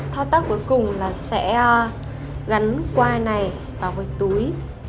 thao tác cuối cùng là sẽ gắn quai này vào với túi